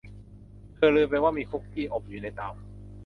เธอลืมไปว่ามีคุกกี้อบอยู่ในเตา